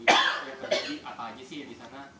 apa aja sih yang disana